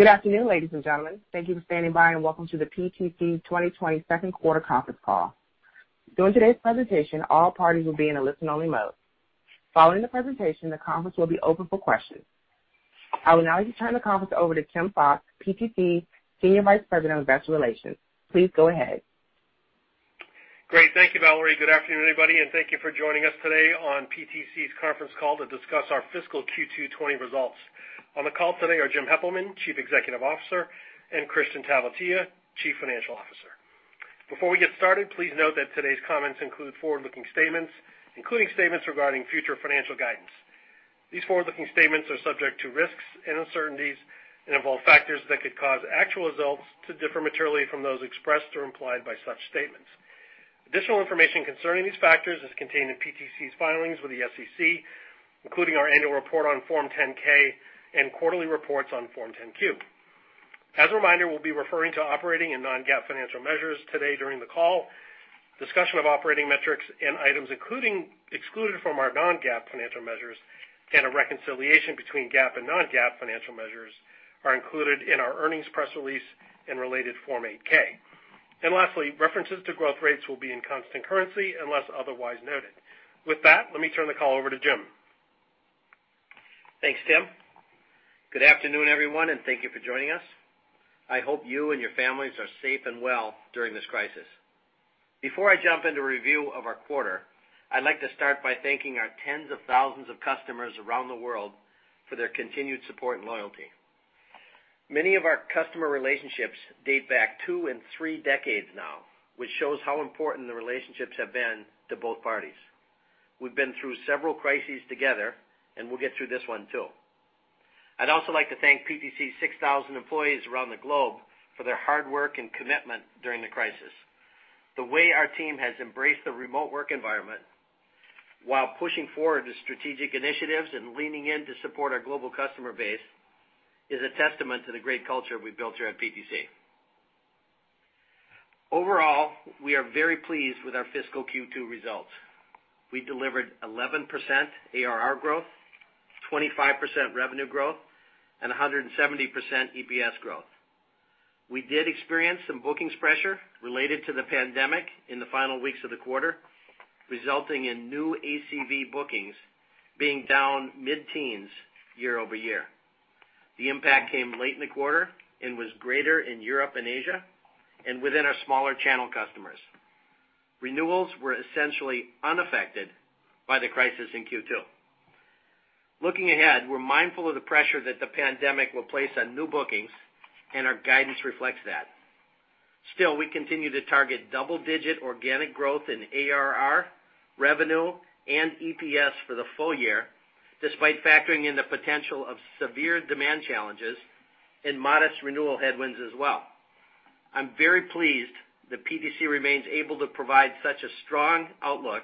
Good afternoon, ladies and gentlemen. Thank you for standing by, and welcome to the PTC 2020 second quarter conference call. During today's presentation, all parties will be in a listen-only mode. Following the presentation, the conference will be open for questions. I would now like to turn the conference over to Tim Fox, PTC Senior Vice President of Investor Relations. Please go ahead. Great. Thank you, Valerie. Good afternoon, everybody, and thank you for joining us today on PTC's conference call to discuss our fiscal Q2 2020 results. On the call today are Jim Heppelmann, Chief Executive Officer, and Kristian Talvitie, Chief Financial Officer. Before we get started, please note that today's comments include forward-looking statements, including statements regarding future financial guidance. These forward-looking statements are subject to risks and uncertainties and involve factors that could cause actual results to differ materially from those expressed or implied by such statements. Additional information concerning these factors is contained in PTC's filings with the SEC, including our annual report on Form 10-K and quarterly reports on Form 10-Q. As a reminder, we'll be referring to operating and non-GAAP financial measures today during the call. Discussion of operating metrics and items excluded from our non-GAAP financial measures and a reconciliation between GAAP and non-GAAP financial measures are included in our earnings press release and related Form 8-K. Lastly, references to growth rates will be in constant currency unless otherwise noted. With that, let me turn the call over to Jim. Thanks, Tim. Good afternoon, everyone, thank you for joining us. I hope you and your families are safe and well during this crisis. Before I jump into review of our quarter, I'd like to start by thanking our tens of thousands of customers around the world for their continued support and loyalty. Many of our customer relationships date back two and three decades now, which shows how important the relationships have been to both parties. We've been through several crises together, we'll get through this one, too. I'd also like to thank PTC's 6,000 employees around the globe for their hard work and commitment during the crisis. The way our team has embraced the remote work environment while pushing forward the strategic initiatives and leaning in to support our global customer base is a testament to the great culture we've built here at PTC. Overall, we are very pleased with our fiscal Q2 results. We delivered 11% ARR growth, 25% revenue growth, and 170% EPS growth. We did experience some bookings pressure related to the pandemic in the final weeks of the quarter, resulting in new ACV bookings being down mid-teens year-over-year. The impact came late in the quarter and was greater in Europe and Asia and within our smaller channel customers. Renewals were essentially unaffected by the crisis in Q2. Looking ahead, we're mindful of the pressure that the pandemic will place on new bookings, and our guidance reflects that. We continue to target double-digit organic growth in ARR, revenue, and EPS for the full year, despite factoring in the potential of severe demand challenges and modest renewal headwinds as well. I'm very pleased that PTC remains able to provide such a strong outlook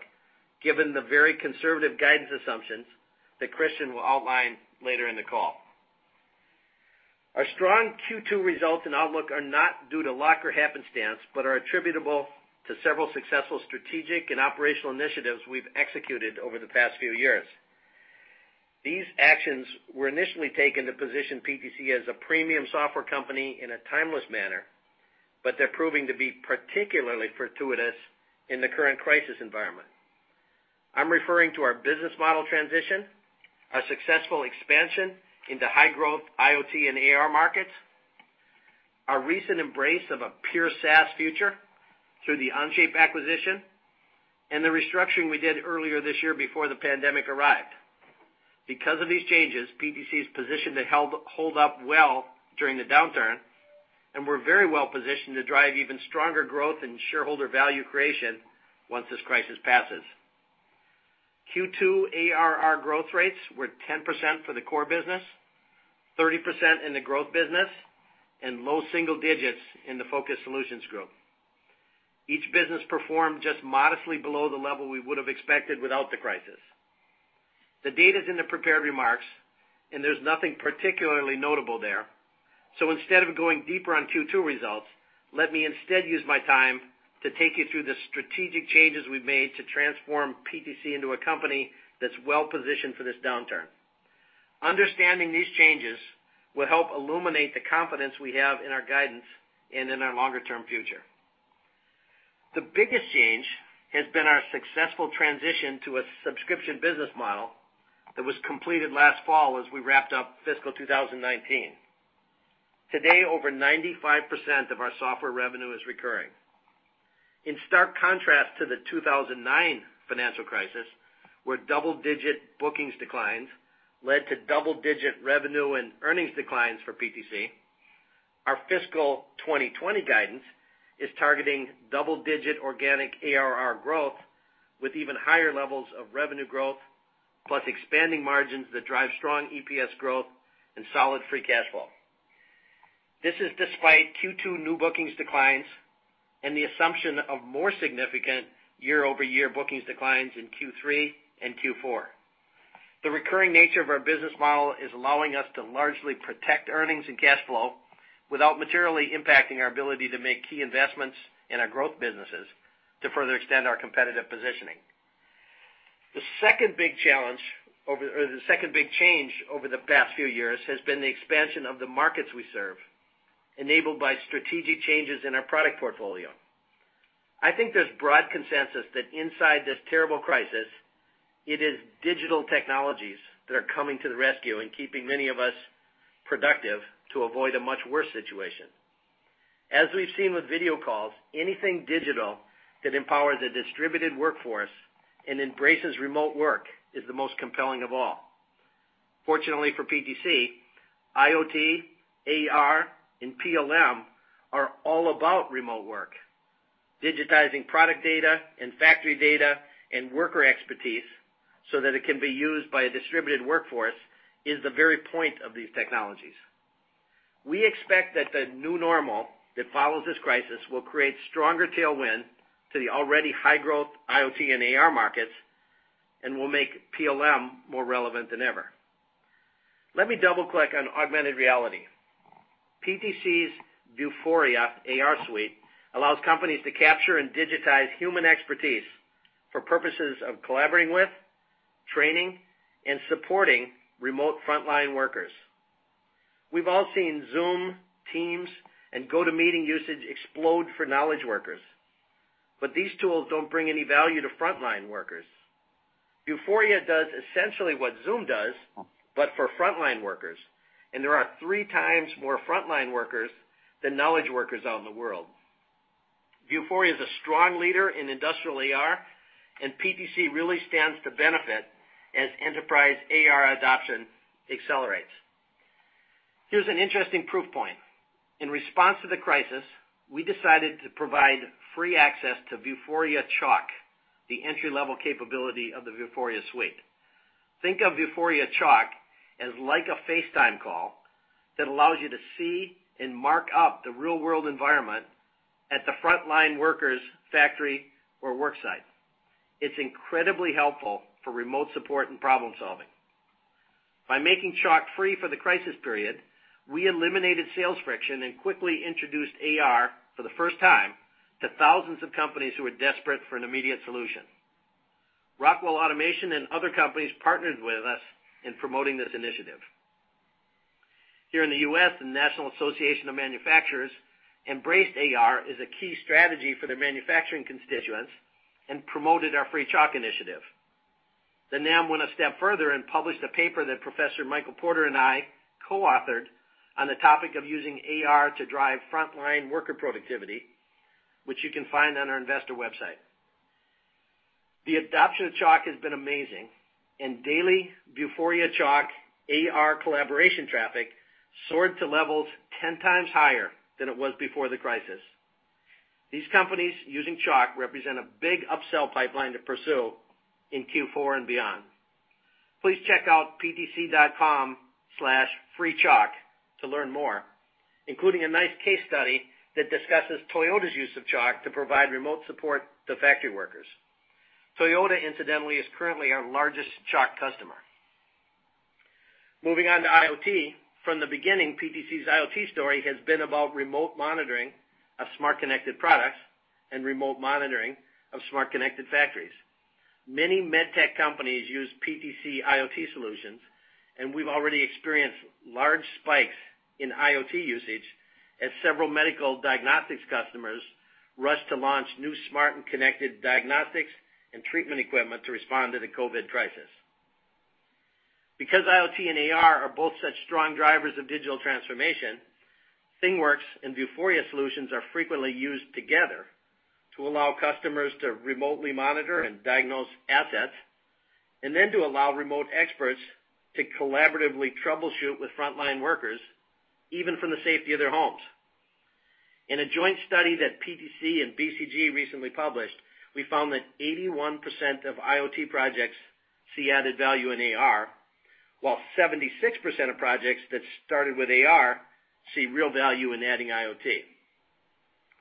given the very conservative guidance assumptions that Kristian will outline later in the call. Our strong Q2 results and outlook are not due to luck or happenstance, but are attributable to several successful strategic and operational initiatives we've executed over the past few years. These actions were initially taken to position PTC as a premium software company in a timeless manner. They're proving to be particularly fortuitous in the current crisis environment. I'm referring to our business model transition, our successful expansion into high-growth IoT and AR markets, our recent embrace of a pure SaaS future through the Onshape acquisition, and the restructuring we did earlier this year before the pandemic arrived. Because of these changes, PTC is positioned to hold up well during the downturn, and we're very well positioned to drive even stronger growth and shareholder value creation once this crisis passes. Q2 ARR growth rates were 10% for the core business, 30% in the growth business, and low single digits in the Focused Solutions Group. Each business performed just modestly below the level we would have expected without the crisis. The data's in the prepared remarks, there's nothing particularly notable there. Instead of going deeper on Q2 results, let me instead use my time to take you through the strategic changes we've made to transform PTC into a company that's well-positioned for this downturn. Understanding these changes will help illuminate the confidence we have in our guidance and in our longer-term future. The biggest change has been our successful transition to a subscription business model that was completed last fall as we wrapped up fiscal 2019. Today, over 95% of our software revenue is recurring. In stark contrast to the 2009 financial crisis, where double-digit bookings declines led to double-digit revenue and earnings declines for PTC, our fiscal 2020 guidance is targeting double-digit organic ARR growth with even higher levels of revenue growth, plus expanding margins that drive strong EPS growth and solid free cash flow. This is despite Q2 new bookings declines and the assumption of more significant year-over-year bookings declines in Q3 and Q4. The recurring nature of our business model is allowing us to largely protect earnings and cash flow without materially impacting our ability to make key investments in our growth businesses to further extend our competitive positioning. The second big challenge, or the second big change over the past few years has been the expansion of the markets we serve, enabled by strategic changes in our product portfolio. I think there's broad consensus that inside this terrible crisis, it is digital technologies that are coming to the rescue and keeping many of us productive to avoid a much worse situation. As we've seen with video calls, anything digital that empowers a distributed workforce and embraces remote work is the most compelling of all. Fortunately for PTC, IoT, AR, and PLM are all about remote work. Digitizing product data and factory data and worker expertise so that it can be used by a distributed workforce is the very point of these technologies. We expect that the new normal that follows this crisis will create stronger tailwind to the already high-growth IoT and AR markets and will make PLM more relevant than ever. Let me double-click on augmented reality. PTC's Vuforia AR suite allows companies to capture and digitize human expertise for purposes of collaborating with, training, and supporting remote frontline workers. We've all seen Zoom, Teams, and GoTo Meeting usage explode for knowledge workers. These tools don't bring any value to frontline workers. Vuforia does essentially what Zoom does, but for frontline workers, and there are three times more frontline workers than knowledge workers out in the world. Vuforia is a strong leader in industrial AR, and PTC really stands to benefit as enterprise AR adoption accelerates. Here's an interesting proof point. In response to the crisis, we decided to provide free access to Vuforia Chalk, the entry-level capability of the Vuforia suite. Think of Vuforia Chalk as like a FaceTime call that allows you to see and mark up the real-world environment at the frontline worker's factory or work site. It's incredibly helpful for remote support and problem-solving. By making Chalk free for the crisis period, we eliminated sales friction and quickly introduced AR for the first time to thousands of companies who were desperate for an immediate solution. Rockwell Automation and other companies partnered with us in promoting this initiative. Here in the U.S., the National Association of Manufacturers embraced AR as a key strategy for their manufacturing constituents and promoted our free Chalk initiative. The NAM went a step further and published a paper that Professor Michael Porter and I co-authored on the topic of using AR to drive frontline worker productivity, which you can find on our investor website. The adoption of Chalk has been amazing, and daily Vuforia Chalk AR collaboration traffic soared to levels 10 times higher than it was before the crisis. These companies using Chalk represent a big upsell pipeline to pursue in Q4 and beyond. Please check out ptc.com/freechalk to learn more, including a nice case study that discusses Toyota's use of Chalk to provide remote support to factory workers. Toyota, incidentally, is currently our largest Chalk customer. Moving on to IoT. From the beginning, PTC's IoT story has been about remote monitoring of smart connected products and remote monitoring of smart connected factories. Many medtech companies use PTC IoT solutions, and we've already experienced large spikes in IoT usage as several medical diagnostics customers rush to launch new smart and connected diagnostics and treatment equipment to respond to the COVID crisis. Because IoT and AR are both such strong drivers of digital transformation, ThingWorx and Vuforia solutions are frequently used together to allow customers to remotely monitor and diagnose assets, and then to allow remote experts to collaboratively troubleshoot with frontline workers, even from the safety of their homes. In a joint study that PTC and BCG recently published, we found that 81% of IoT projects see added value in AR, while 76% of projects that started with AR see real value in adding IoT.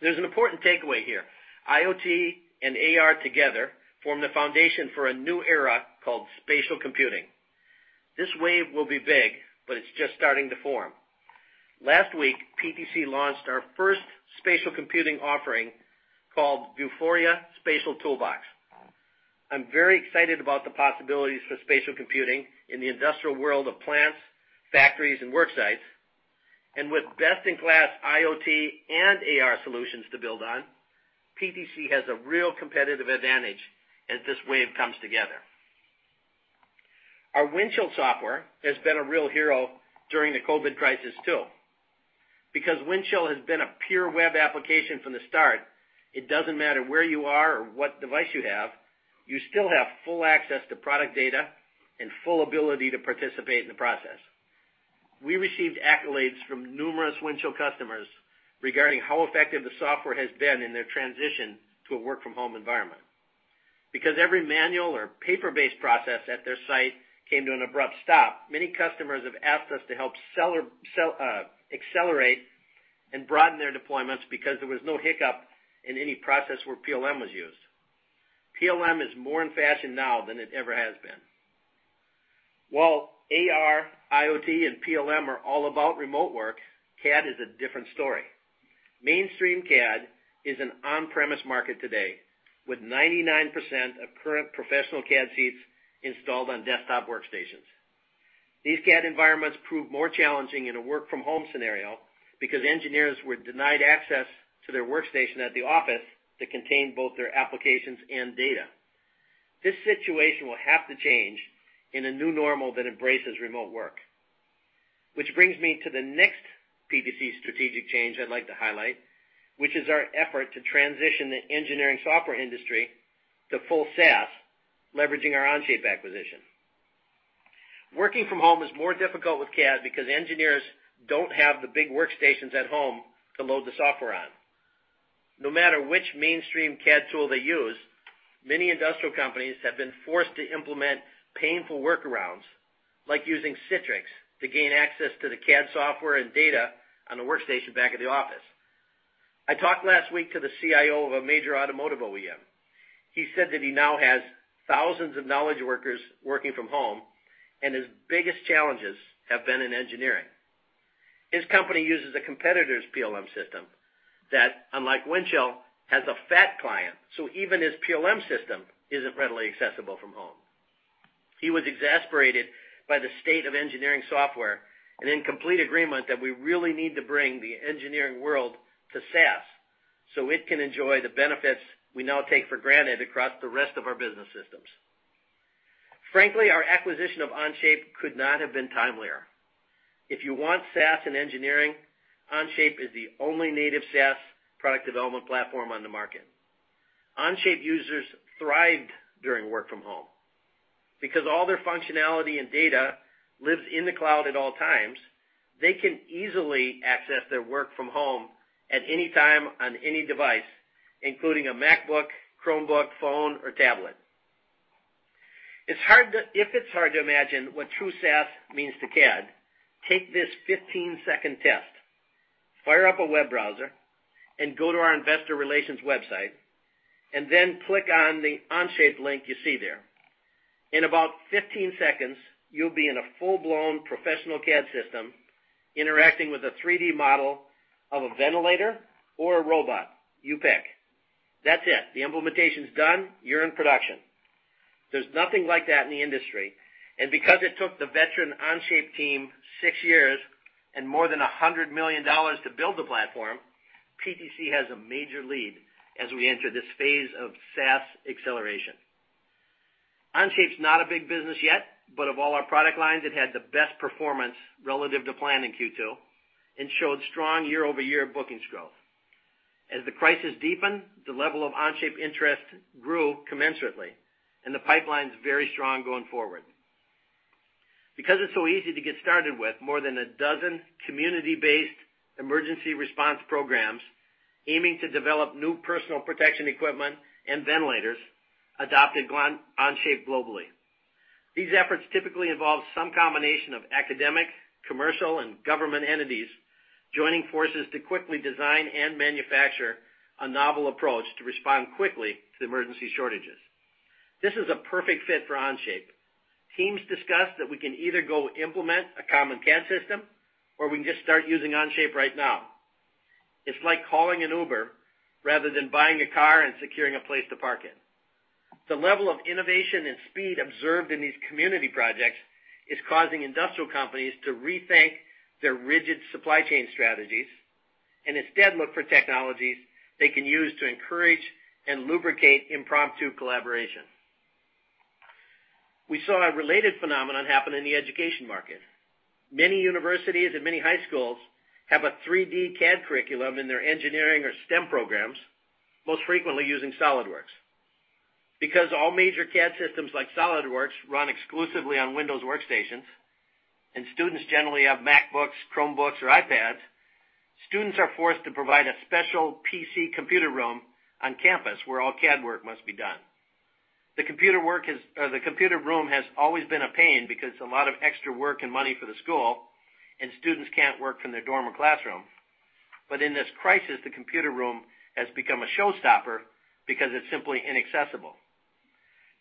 There's an important takeaway here. IoT and AR together form the foundation for a new era called spatial computing. This wave will be big, it's just starting to form. Last week, PTC launched our first spatial computing offering called Vuforia Spatial Toolbox. I'm very excited about the possibilities for spatial computing in the industrial world of plants, factories, and work sites. With best-in-class IoT and AR solutions to build on, PTC has a real competitive advantage as this wave comes together. Our Windchill software has been a real hero during the COVID crisis too. Because Windchill has been a pure web application from the start, it doesn't matter where you are or what device you have, you still have full access to product data and full ability to participate in the process. We received accolades from numerous Windchill customers regarding how effective the software has been in their transition to a work-from-home environment. Because every manual or paper-based process at their site came to an abrupt stop, many customers have asked us to help accelerate and broaden their deployments because there was no hiccup in any process where PLM was used. PLM is more in fashion now than it ever has been. While AR, IoT, and PLM are all about remote work, CAD is a different story. Mainstream CAD is an on-premise market today, with 99% of current professional CAD seats installed on desktop workstations. These CAD environments prove more challenging in a work-from-home scenario, because engineers were denied access to their workstation at the office that contained both their applications and data. This situation will have to change in a new normal that embraces remote work. Which brings me to the next PTC strategic change I'd like to highlight, which is our effort to transition the engineering software industry to full SaaS, leveraging our Onshape acquisition. Working from home is more difficult with CAD because engineers don't have the big workstations at home to load the software on. No matter which mainstream CAD tool they use, many industrial companies have been forced to implement painful workarounds, like using Citrix to gain access to the CAD software and data on the workstation back at the office. I talked last week to the CIO of a major automotive OEM. He said that he now has thousands of knowledge workers working from home, and his biggest challenges have been in engineering. His company uses a competitor's PLM system that, unlike Windchill, has a fat client, so even his PLM system isn't readily accessible from home. He was exasperated by the state of engineering software and in complete agreement that we really need to bring the engineering world to SaaS so it can enjoy the benefits we now take for granted across the rest of our business systems. Frankly, our acquisition of Onshape could not have been timelier. If you want SaaS in engineering, Onshape is the only native SaaS product development platform on the market. Onshape users thrived during work from home. Because all their functionality and data lives in the cloud at all times, they can easily access their work from home at any time on any device, including a MacBook, Chromebook, phone, or tablet. If it's hard to imagine what true SaaS means to CAD, take this 15-second test. Fire up a web browser, and go to our investor relations website, and then click on the Onshape link you see there. In about 15 seconds, you'll be in a full-blown professional CAD system interacting with a 3D model of a ventilator or a robot. You pick. That's it. The implementation's done. You're in production. There's nothing like that in the industry. Because it took the veteran Onshape team six years and more than $100 million to build the platform, PTC has a major lead as we enter this phase of SaaS acceleration. Onshape's not a big business yet, but of all our product lines, it had the best performance relative to plan in Q2 and showed strong year-over-year bookings growth. As the crisis deepened, the level of Onshape interest grew commensurately, the pipeline's very strong going forward. Because it's so easy to get started with, more than a dozen community-based emergency response programs aiming to develop new personal protection equipment and ventilators adopted Onshape globally. These efforts typically involve some combination of academic, commercial, and government entities joining forces to quickly design and manufacture a novel approach to respond quickly to the emergency shortages. This is a perfect fit for Onshape. Teams discuss that we can either go implement a common CAD system or we can just start using Onshape right now. It's like calling an Uber rather than buying a car and securing a place to park it. The level of innovation and speed observed in these community projects is causing industrial companies to rethink their rigid supply chain strategies and instead look for technologies they can use to encourage and lubricate impromptu collaboration. We saw a related phenomenon happen in the education market. Many universities and many high schools have a 3D CAD curriculum in their engineering or STEM programs, most frequently using SOLIDWORKS. Because all major CAD systems like SOLIDWORKS run exclusively on Windows workstations and students generally have MacBooks, Chromebooks, or iPads, students are forced to provide a special PC computer room on campus where all CAD work must be done. The computer room has always been a pain because it's a lot of extra work and money for the school, and students can't work from their dorm or classroom. In this crisis, the computer room has become a showstopper because it's simply inaccessible.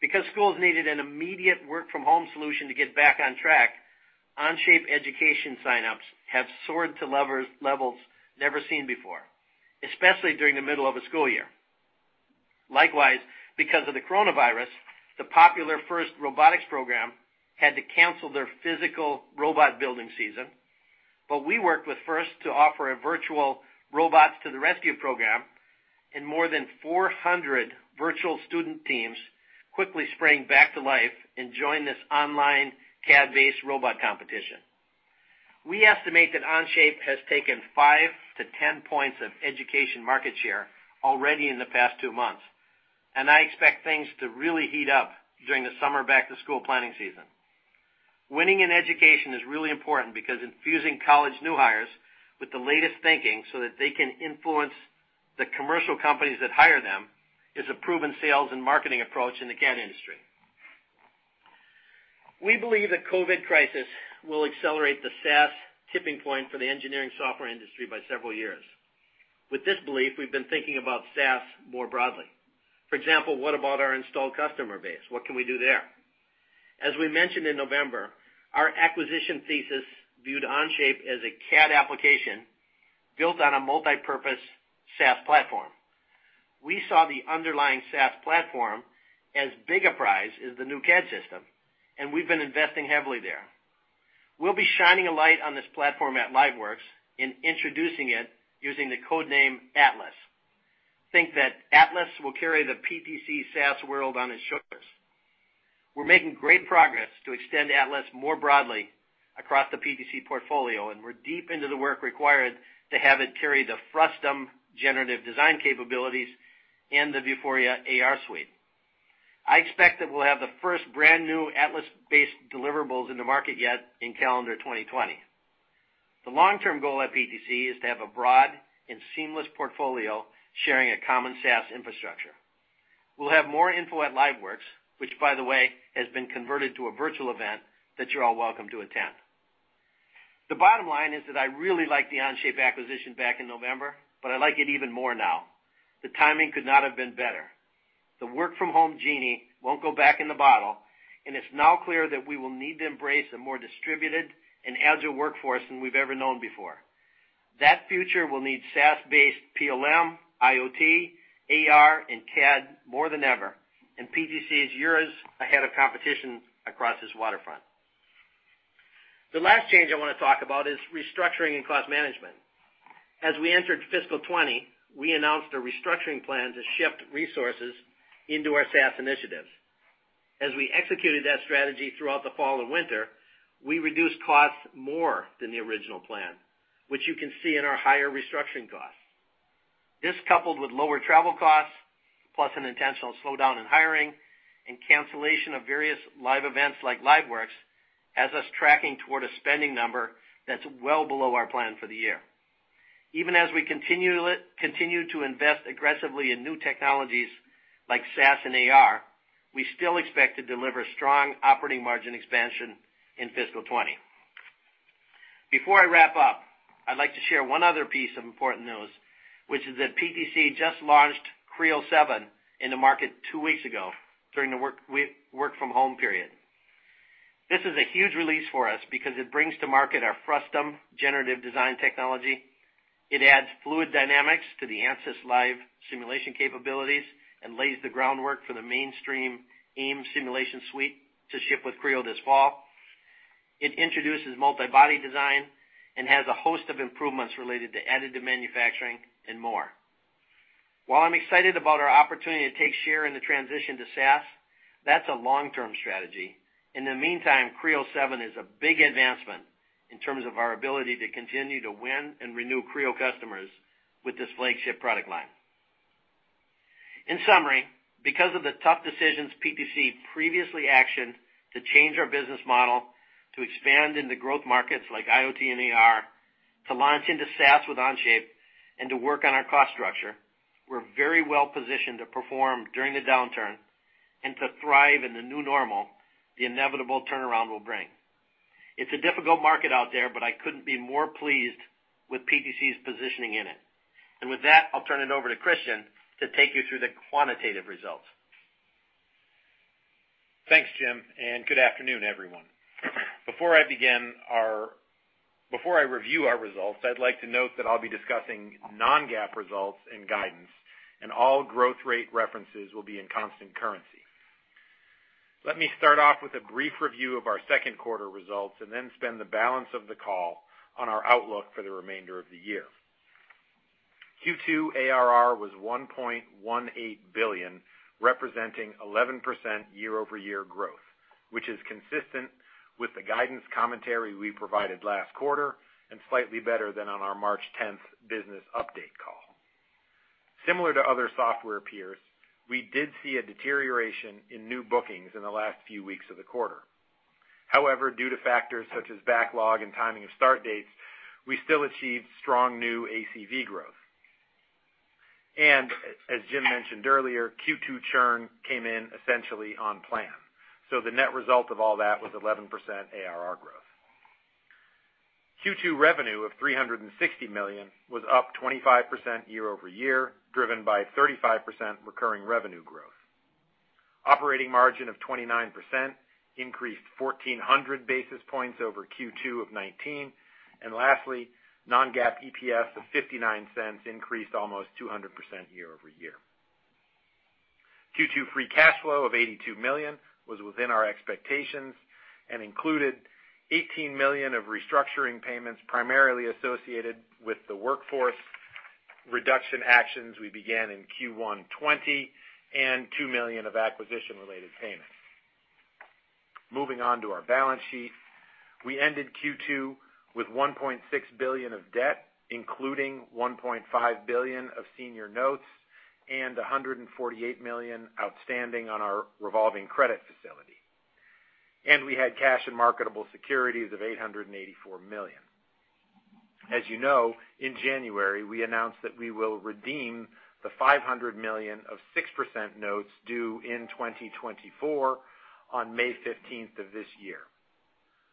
Because schools needed an immediate work-from-home solution to get back on track, Onshape education sign-ups have soared to levels never seen before, especially during the middle of a school year. Likewise, because of the coronavirus, the popular FIRST Robotics program had to cancel their physical robot-building season. We worked with FIRST to offer a virtual Robots to the Rescue program, and more than 400 virtual student teams quickly sprang back to life and joined this online CAD-based robot competition. We estimate that Onshape has taken 5-10 points of education market share already in the past two months, and I expect things to really heat up during the summer back-to-school planning season. Winning in education is really important because infusing college new hires with the latest thinking so that they can influence the commercial companies that hire them is a proven sales and marketing approach in the CAD industry. We believe the COVID crisis will accelerate the SaaS tipping point for the engineering software industry by several years. With this belief, we've been thinking about SaaS more broadly. What about our installed customer base? What can we do there? As we mentioned in November, our acquisition thesis viewed Onshape as a CAD application built on a multipurpose SaaS platform. We saw the underlying SaaS platform as big a prize as the new CAD system, and we've been investing heavily there. We'll be shining a light on this platform at LiveWorx in introducing it using the code name Atlas. I think that Atlas will carry the PTC SaaS world on its shoulders. We're making great progress to extend Atlas more broadly across the PTC portfolio, and we're deep into the work required to have it carry the Frustum generative design capabilities and the Vuforia AR suite. I expect that we'll have the first brand-new Atlas-based deliverables in the market yet in calendar 2020. The long-term goal at PTC is to have a broad and seamless portfolio sharing a common SaaS infrastructure. We'll have more info at LiveWorx, which by the way, has been converted to a virtual event that you're all welcome to attend. The bottom line is that I really liked the Onshape acquisition back in November, but I like it even more now. The timing could not have been better. The work-from-home genie won't go back in the bottle, and it's now clear that we will need to embrace a more distributed and agile workforce than we've ever known before. That future will need SaaS-based PLM, IoT, AR, and CAD more than ever, and PTC is years ahead of competition across this waterfront. The last change I want to talk about is restructuring and cost management. As we entered fiscal 2020, we announced a restructuring plan to shift resources into our SaaS initiatives. As we executed that strategy throughout the fall and winter, we reduced costs more than the original plan, which you can see in our higher restructuring costs. This coupled with lower travel costs, plus an intentional slowdown in hiring and cancellation of various live events like LiveWorx, has us tracking toward a spending number that's well below our plan for the year. Even as we continue to invest aggressively in new technologies like SaaS and AR, we still expect to deliver strong operating margin expansion in fiscal 2020. Before I wrap up, I'd like to share one other piece of important news, which is that PTC just launched Creo 7 in the market two weeks ago during the work-from-home period. This is a huge release for us because it brings to market our Frustum generative design technology. It adds fluid dynamics to the ANSYS Discovery Live simulation capabilities and lays the groundwork for the mainstream ANSYS AIM simulation suite to ship with Creo this fall. It introduces multi-body design and has a host of improvements related to additive manufacturing and more. While I'm excited about our opportunity to take share in the transition to SaaS, that's a long-term strategy. In the meantime, Creo 7 is a big advancement in terms of our ability to continue to win and renew Creo customers with this flagship product line. In summary, because of the tough decisions PTC previously actioned to change our business model, to expand into growth markets like IoT and AR, to launch into SaaS with Onshape, and to work on our cost structure, we're very well positioned to perform during the downturn and to thrive in the new normal the inevitable turnaround will bring. It's a difficult market out there, but I couldn't be more pleased with PTC's positioning in it. With that, I'll turn it over to Kristian to take you through the quantitative results. Thanks, Jim, and good afternoon, everyone. Before I review our results, I'd like to note that I'll be discussing non-GAAP results and guidance. All growth rate references will be in constant currency. Let me start off with a brief review of our second quarter results, and then spend the balance of the call on our outlook for the remainder of the year. Q2 ARR was $1.18 billion, representing 11% year-over-year growth, which is consistent with the guidance commentary we provided last quarter, and slightly better than on our March 10th business update call. Similar to other software peers, we did see a deterioration in new bookings in the last few weeks of the quarter. However, due to factors such as backlog and timing of start dates, we still achieved strong new ACV growth. As Jim mentioned earlier, Q2 churn came in essentially on plan. The net result of all that was 11% ARR growth. Q2 revenue of $360 million was up 25% year-over-year, driven by 35% recurring revenue growth. Operating margin of 29% increased 1,400 basis points over Q2 of 2019. Lastly, non-GAAP EPS of $0.59 increased almost 200% year-over-year. Q2 free cash flow of $82 million was within our expectations and included $18 million of restructuring payments, primarily associated with the workforce reduction actions we began in Q1 2020, and $2 million of acquisition-related payments. Moving on to our balance sheet. We ended Q2 with $1.6 billion of debt, including $1.5 billion of senior notes and $148 million outstanding on our revolving credit facility. We had cash and marketable securities of $884 million. As you know, in January, we announced that we will redeem the $500 million of 6% notes due in 2024 on May 15th of this year.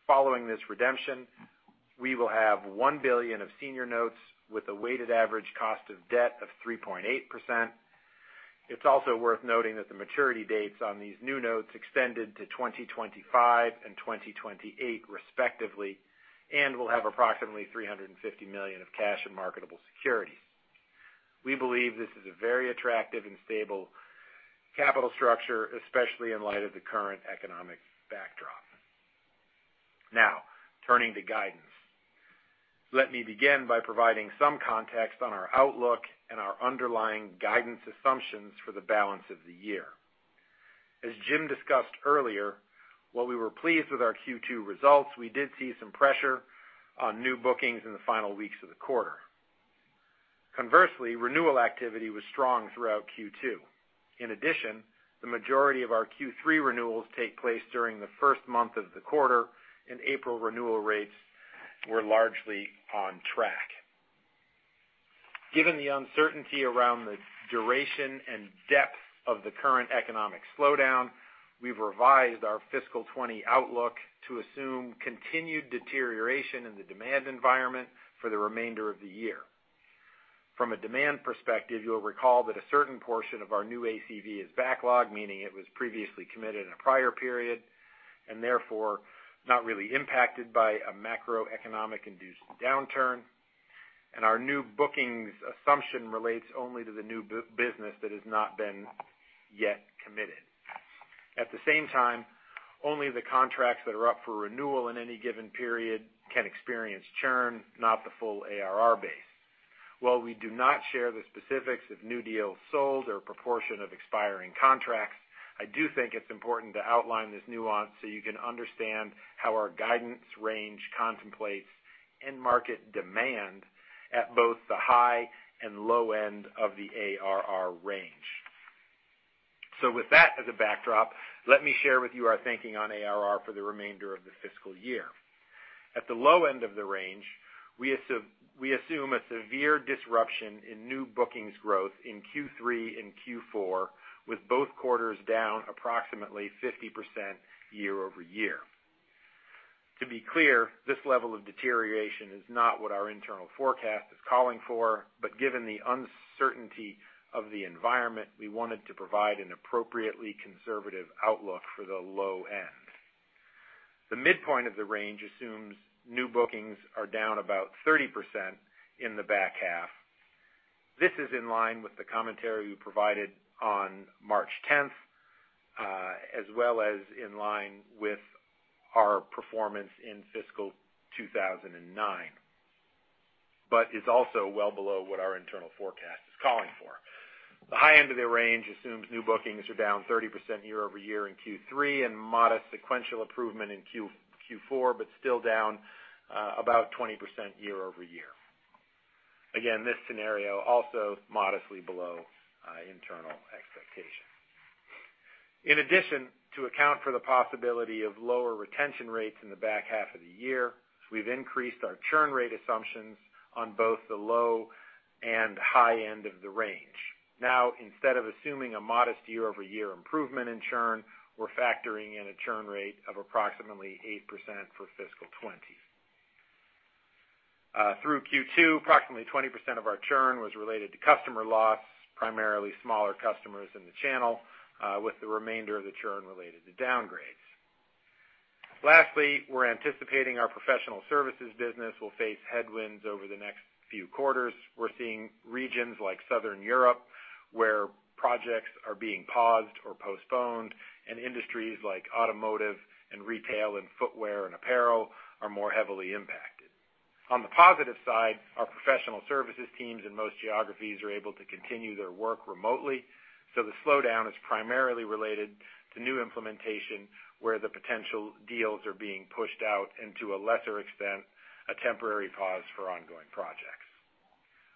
Following this redemption, we will have $1 billion of senior notes with a weighted average cost of debt of 3.8%. It's also worth noting that the maturity dates on these new notes extended to 2025 and 2028, respectively, and will have approximately $350 million of cash and marketable securities. We believe this is a very attractive and stable capital structure, especially in light of the current economic backdrop. Now, turning to guidance. Let me begin by providing some context on our outlook and our underlying guidance assumptions for the balance of the year. As Jim discussed earlier, while we were pleased with our Q2 results, we did see some pressure on new bookings in the final weeks of the quarter. Conversely, renewal activity was strong throughout Q2. The majority of our Q3 renewals take place during the first month of the quarter, and April renewal rates were largely on track. Given the uncertainty around the duration and depth of the current economic slowdown, we've revised our fiscal 2020 outlook to assume continued deterioration in the demand environment for the remainder of the year. From a demand perspective, you'll recall that a certain portion of our new ACV is backlog, meaning it was previously committed in a prior period, and therefore, not really impacted by a macroeconomic-induced downturn. Our new bookings assumption relates only to the new business that has not been yet committed. At the same time, only the contracts that are up for renewal in any given period can experience churn, not the full ARR base. While we do not share the specifics of new deals sold or proportion of expiring contracts, I do think it's important to outline this nuance so you can understand how our guidance range contemplates end market demand at both the high and low end of the ARR range. With that as a backdrop, let me share with you our thinking on ARR for the remainder of the fiscal year. At the low end of the range, we assume a severe disruption in new bookings growth in Q3 and Q4, with both quarters down approximately 50% year-over-year. To be clear, this level of deterioration is not what our internal forecast is calling for. Given the uncertainty of the environment, we wanted to provide an appropriately conservative outlook for the low end. The midpoint of the range assumes new bookings are down about 30% in the back half. This is in line with the commentary we provided on March 10th, as well as in line with our performance in fiscal 2009. It's also well below what our internal forecast is calling for. The high end of the range assumes new bookings are down 30% year-over-year in Q3, and modest sequential improvement in Q4, but still down about 20% year-over-year. Again, this scenario also modestly below internal expectation. In addition to account for the possibility of lower retention rates in the back half of the year, we've increased our churn rate assumptions on both the low and high end of the range. Now, instead of assuming a modest year-over-year improvement in churn, we're factoring in a churn rate of approximately 8% for fiscal 2020. Through Q2, approximately 20% of our churn was related to customer loss, primarily smaller customers in the channel, with the remainder of the churn related to downgrades. We're anticipating our professional services business will face headwinds over the next few quarters. We're seeing regions like Southern Europe, where projects are being paused or postponed, and industries like automotive and retail and footwear and apparel are more heavily impacted. On the positive side, our professional services teams in most geographies are able to continue their work remotely, the slowdown is primarily related to new implementation where the potential deals are being pushed out and to a lesser extent, a temporary pause for ongoing projects.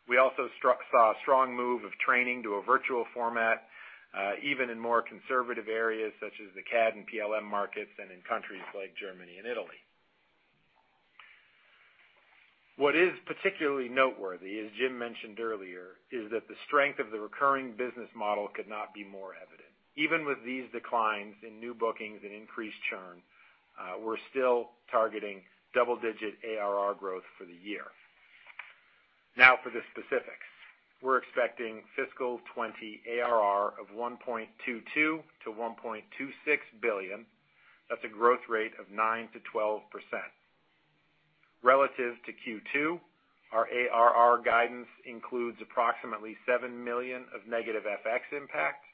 We also saw a strong move of training to a virtual format, even in more conservative areas such as the CAD and PLM markets and in countries like Germany and Italy. What is particularly noteworthy, as Jim mentioned earlier, is that the strength of the recurring business model could not be more evident. Even with these declines in new bookings and increased churn, we're still targeting double-digit ARR growth for the year. For the specifics. We're expecting fiscal 2020 ARR of $1.22 billion-$1.26 billion. That's a growth rate of 9%-12%. Relative to Q2, our ARR guidance includes approximately $7 million of negative FX impact.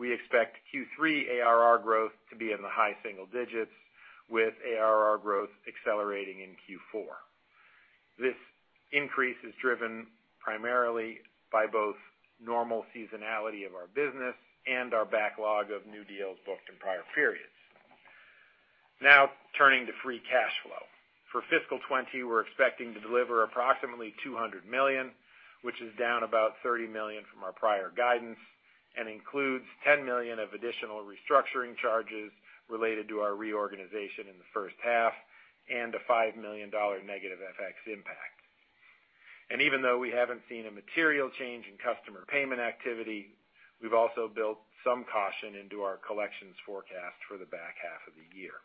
We expect Q3 ARR growth to be in the high single digits with ARR growth accelerating in Q4. This increase is driven primarily by both normal seasonality of our business and our backlog of new deals booked in prior periods. Turning to free cash flow. For fiscal 2020, we're expecting to deliver approximately $200 million, which is down about $30 million from our prior guidance, and includes $10 million of additional restructuring charges related to our reorganization in the first half and a $5 million negative FX impact. Even though we haven't seen a material change in customer payment activity, we've also built some caution into our collections forecast for the back half of the year.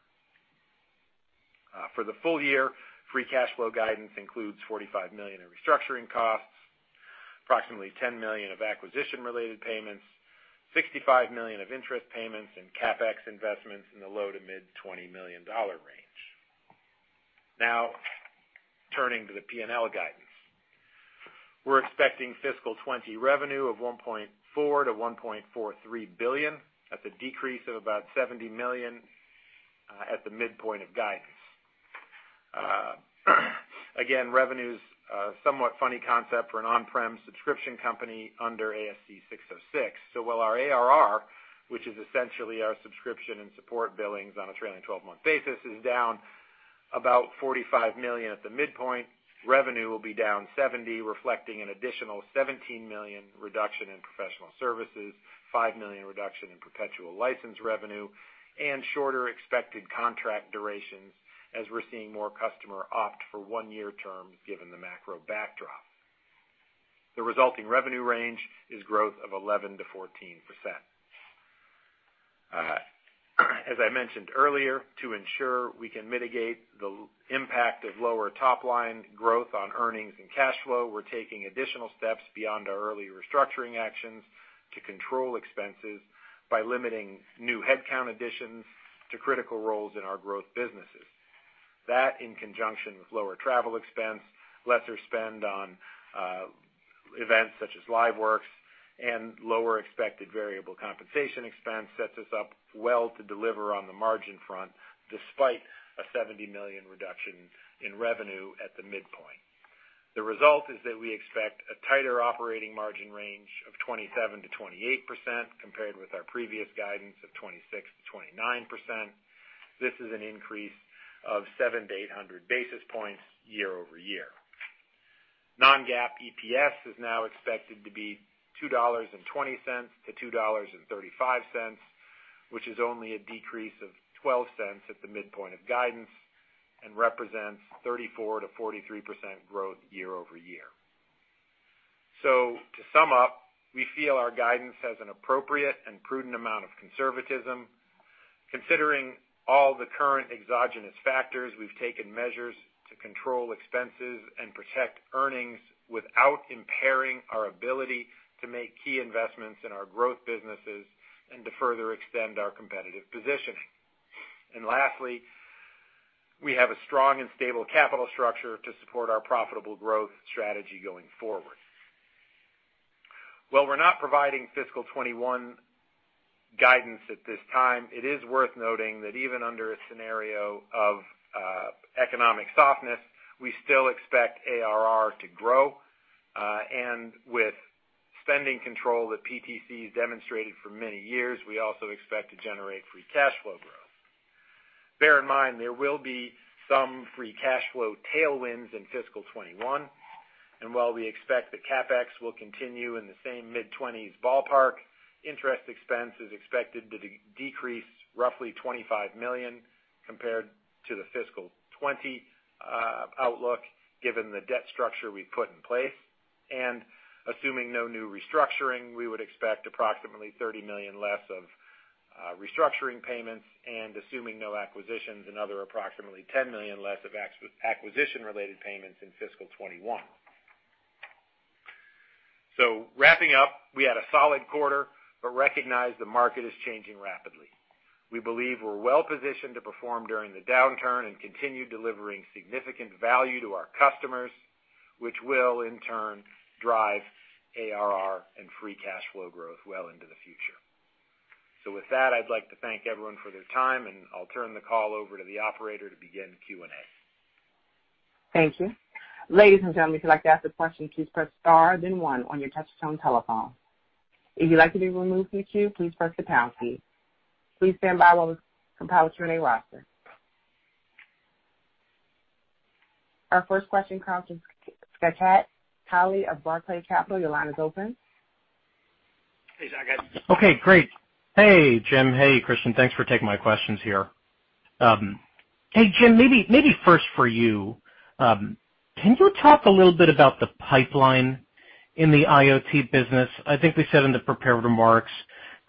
For the full year, free cash flow guidance includes $45 million in restructuring costs, approximately $10 million of acquisition-related payments, $65 million of interest payments, and CapEx investments in the $20 million-$25 million range. Turning to the P&L guidance. We're expecting fiscal 2020 revenue of $1.4 billion-$1.43 billion. That's a decrease of about $70 million at the midpoint of guidance. Revenue's a somewhat funny concept for an on-prem subscription company under ASC 606. While our ARR, which is essentially our subscription and support billings on a trailing 12-month basis, is down about $45 million at the midpoint, revenue will be down $70, reflecting an additional $17 million reduction in professional services, $5 million reduction in perpetual license revenue, and shorter expected contract durations as we're seeing more customer opt for one-year terms given the macro backdrop. The resulting revenue range is growth of 11%-14%. As I mentioned earlier, to ensure we can mitigate the impact of lower top-line growth on earnings and cash flow, we're taking additional steps beyond our early restructuring actions to control expenses by limiting new headcount additions to critical roles in our growth businesses. That, in conjunction with lower travel expense, lesser spend on events such as LiveWorx, and lower expected variable compensation expense, sets us up well to deliver on the margin front, despite a $70 million reduction in revenue at the midpoint. The result is that we expect a tighter operating margin range of 27%-28%, compared with our previous guidance of 26%-29%. This is an increase of 700 to 800 basis points year-over-year. Non-GAAP EPS is now expected to be $2.20-$2.35, which is only a decrease of $0.12 at the midpoint of guidance and represents 34%-43% growth year-over-year. To sum up, we feel our guidance has an appropriate and prudent amount of conservatism. Considering all the current exogenous factors, we've taken measures to control expenses and protect earnings without impairing our ability to make key investments in our growth businesses and to further extend our competitive positioning. Lastly, we have a strong and stable capital structure to support our profitable growth strategy going forward. While we're not providing fiscal 2021 guidance at this time, it is worth noting that even under a scenario of economic softness, we still expect ARR to grow. With spending control that PTC has demonstrated for many years, we also expect to generate free cash flow growth. Bear in mind, there will be some free cash flow tailwinds in fiscal 2021. While we expect that CapEx will continue in the same mid-20s ballpark, interest expense is expected to decrease roughly $25 million compared to the fiscal 2020 outlook, given the debt structure we've put in place. Assuming no new restructuring, we would expect approximately $30 million less of restructuring payments, and assuming no acquisitions, another approximately $10 million less of acquisition-related payments in fiscal 2021. Wrapping up, we had a solid quarter but recognize the market is changing rapidly. We believe we're well-positioned to perform during the downturn and continue delivering significant value to our customers, which will in turn drive ARR and free cash flow growth well into the future. With that, I'd like to thank everyone for their time, and I'll turn the call over to the operator to begin Q&A. Thank you. Ladies and gentlemen, if you'd like to ask a question, please press star then one on your touch-tone telephone. If you'd like to be removed from the queue, please press the pound key. Please stand by while the compiler turns a roster. Our first question comes from Saket Kalia of Barclays Capital. Your line is open. Hey, Saket. Okay, great. Hey, Jim. Hey, Kristian. Thanks for taking my questions here. Hey, Jim, maybe first for you. Can you talk a little bit about the pipeline in the IoT business? I think we said in the prepared remarks,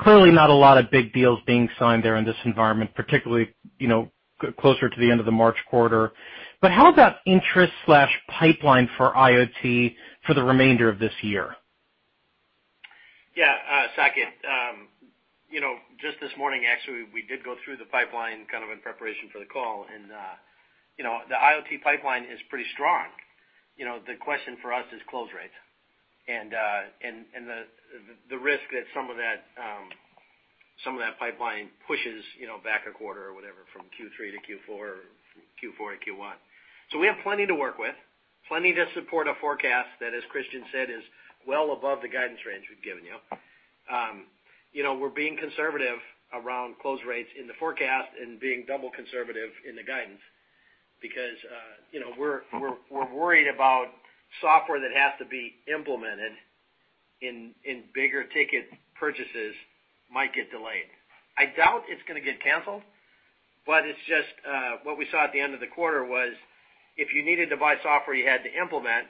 currently not a lot of big deals being signed there in this environment, particularly closer to the end of the March quarter. How's that interest/pipeline for IoT for the remainder of this year? Yeah, Saket. Just this morning, actually, we did go through the pipeline kind of in preparation for the call. The IoT pipeline is pretty strong. The question for us is close rates and the risk that some of that pipeline pushes back a quarter or whatever from Q3 to Q4 or Q4 to Q1. We have plenty to work with, plenty to support a forecast that, as Kristian said, is well above the guidance range we've given you. We're being conservative around close rates in the forecast and being double conservative in the guidance because we're worried about software that has to be implemented in bigger ticket purchases might get delayed. I doubt it's going to get canceled, but it's just what we saw at the end of the quarter was, if you needed to buy software you had to implement,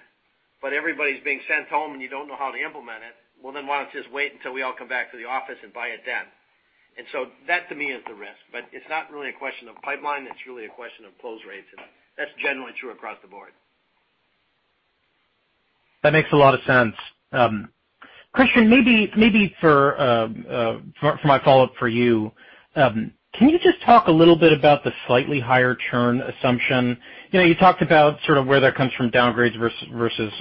but everybody's being sent home, and you don't know how to implement it, well, then why don't you just wait until we all come back to the office and buy it then. That to me is the risk, but it's not really a question of pipeline. It's really a question of close rates, and that's generally true across the board. That makes a lot of sense. Kristian, maybe for my follow-up for you, can you just talk a little bit about the slightly higher churn assumption? You talked about where that comes from downgrades versus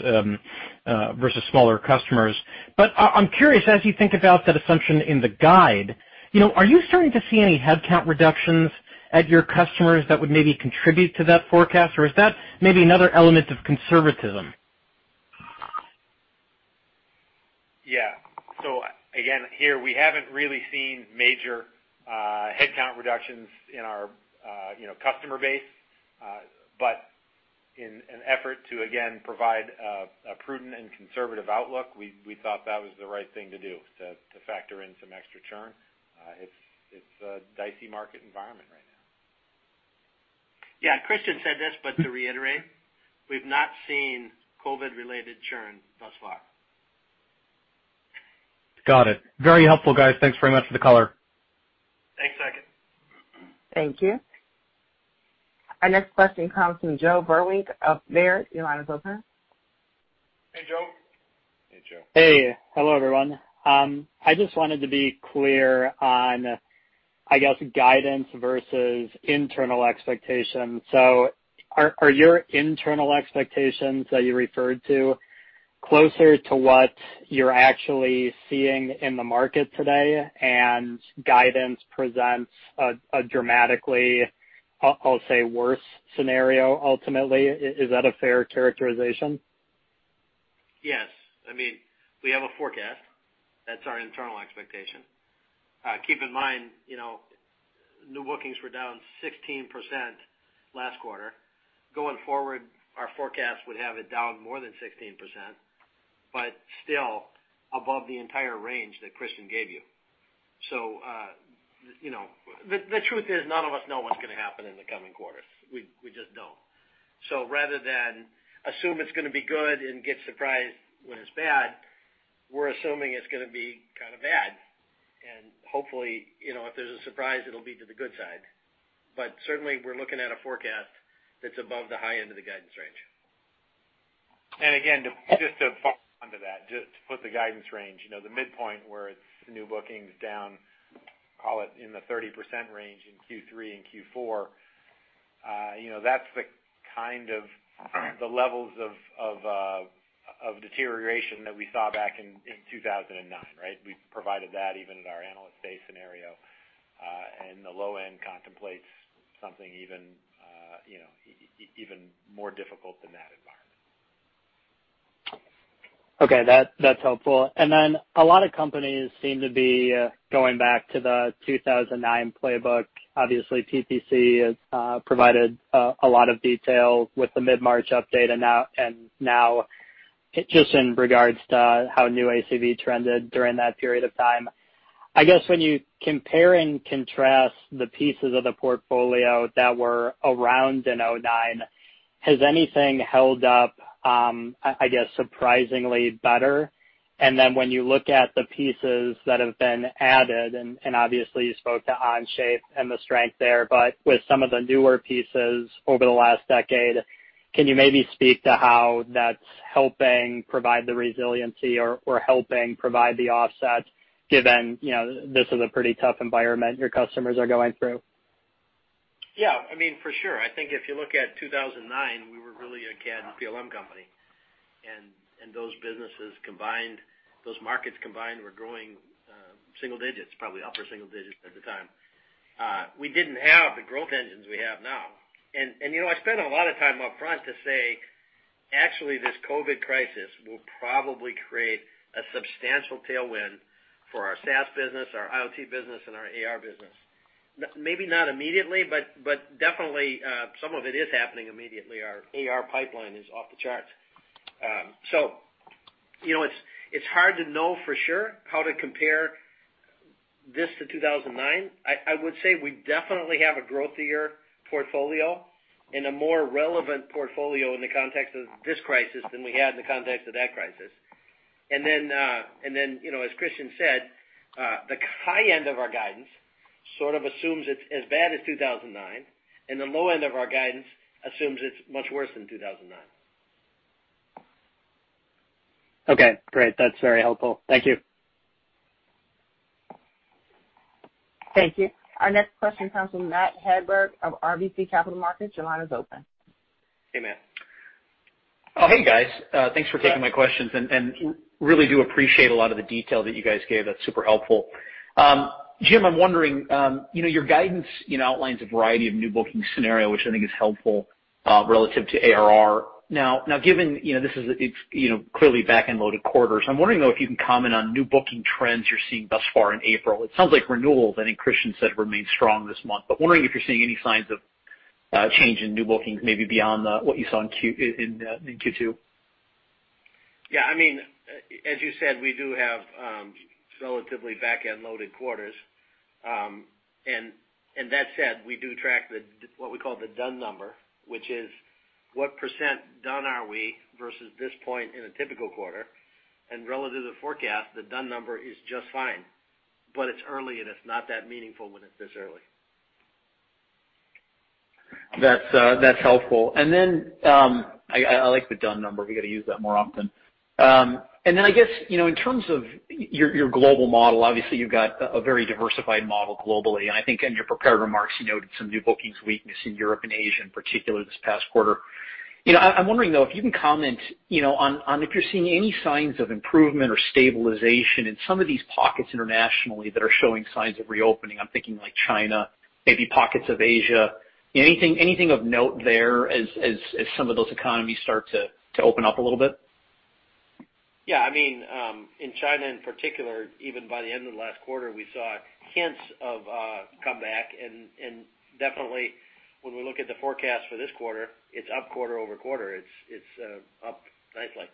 smaller customers. I'm curious, as you think about that assumption in the guide, are you starting to see any headcount reductions at your customers that would maybe contribute to that forecast? Or is that maybe another element of conservatism? Yeah. Again, here, we haven't really seen major headcount reductions in our customer base. In an effort to, again, provide a prudent and conservative outlook, we thought that was the right thing to do, to factor in some extra churn. It's a dicey market environment right now. Yeah. Kristian said this, but to reiterate, we've not seen COVID-related churn thus far. Got it. Very helpful, guys. Thanks very much for the color. Thanks, Saket. Thank you. Our next question comes from Joe Vruwink of Baird. Your line is open. Hey, Joe. Hey, Joe. Hey. Hello, everyone. I just wanted to be clear on, I guess, guidance versus internal expectations. Are your internal expectations that you referred to closer to what you're actually seeing in the market today, and guidance presents a dramatically, I'll say, worse scenario ultimately? Is that a fair characterization? Yes. We have a forecast. That's our internal expectation. Keep in mind, new bookings were down 16% last quarter. Going forward, our forecast would have it down more than 16%, but still above the entire range that Kristian gave you. The truth is, none of us know what's going to happen in the coming quarters. We just don't. Rather than assume it's going to be good and get surprised when it's bad, we're assuming it's going to be kind of bad. Hopefully, if there's a surprise, it'll be to the good side. Certainly, we're looking at a forecast that's above the high end of the guidance range. Again, just to follow on to that, just to put the guidance range, the midpoint where it's new bookings down, call it in the 30% range in Q3 and Q4, that's the kind of the levels of deterioration that we saw back in 2009, right? We provided that even at our analyst base scenario. The low end contemplates something even more difficult than that environment. Okay. That's helpful. A lot of companies seem to be going back to the 2009 playbook. Obviously, PTC has provided a lot of detail with the mid-March update and now just in regards to how new ACV trended during that period of time. I guess when you compare and contrast the pieces of the portfolio that were around in 2009, has anything held up, I guess, surprisingly better? When you look at the pieces that have been added, and obviously you spoke to Onshape and the strength there, but with some of the newer pieces over the last decade, can you maybe speak to how that's helping provide the resiliency or helping provide the offset given this is a pretty tough environment your customers are going through? For sure. I think if you look at 2009, we were really a CAD and PLM company. Those businesses combined, those markets combined, were growing single digits, probably upper single digits at the time. We didn't have the growth engines we have now. I spent a lot of time upfront to say, actually, this COVID crisis will probably create a substantial tailwind for our SaaS business, our IoT business, and our AR business. Maybe not immediately, definitely, some of it is happening immediately. Our AR pipeline is off the charts. It's hard to know for sure how to compare this to 2009. I would say we definitely have a growthier portfolio and a more relevant portfolio in the context of this crisis than we had in the context of that crisis. As Kristian said, the high end of our guidance sort of assumes it's as bad as 2009, and the low end of our guidance assumes it's much worse than 2009. Okay, great. That's very helpful. Thank you. Thank you. Our next question comes from Matt Hedberg of RBC Capital Markets. Your line is open. Hey, Matt. Oh, hey guys. Thanks for taking my questions, and really do appreciate a lot of the detail that you guys gave. That's super helpful. Jim, I'm wondering, your guidance outlines a variety of new booking scenario, which I think is helpful relative to ARR. Given it's clearly back-end loaded quarters, I'm wondering, though, if you can comment on new booking trends you're seeing thus far in April. It sounds like renewals, I think Christian said, remain strong this month. Wondering if you're seeing any signs of. Change in new bookings, maybe beyond what you saw in Q2? Yeah. As you said, we do have relatively back-end loaded quarters. That said, we do track what we call the done number, which is what % done are we versus this point in a typical quarter. Relative to forecast, the done number is just fine, but it's early and it's not that meaningful when it's this early. That's helpful. I like the done number. We got to use that more often. Then, I guess, in terms of your global model, obviously you've got a very diversified model globally, and I think in your prepared remarks, you noted some new bookings weakness in Europe and Asia in particular this past quarter. I'm wondering, though, if you can comment on if you're seeing any signs of improvement or stabilization in some of these pockets internationally that are showing signs of reopening. I'm thinking like China, maybe pockets of Asia. Anything of note there as some of those economies start to open up a little bit? In China in particular, even by the end of the last quarter, we saw hints of a comeback. Definitely when we look at the forecast for this quarter, it's up quarter-over-quarter. It's up nicely.